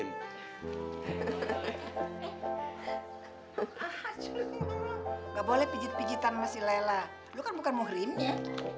enggak boleh pijit pijitan masih lela bukan bukan muhrim ya